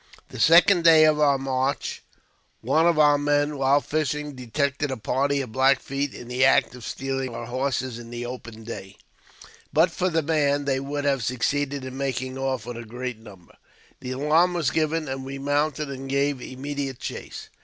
The second day of our march, one of our men, while fishing, detected a party of Black Feet in the act of stealing our horses in the open day. But for the man, they would have succeeded in making off with a great number. The alarm was given, and we mounted and gave immediate chase.